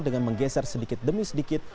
dengan menggeser sedikit demi sedikit